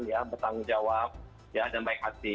dan bertanggung jawab ya dan baik hati